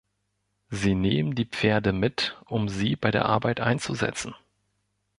Sie nehmen die Pferde mit, um sie bei der Arbeit einzusetzen.